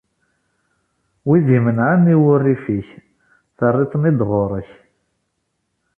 Wid i imenɛen i wurrif-ik, terriḍ-ten-id ɣur-k.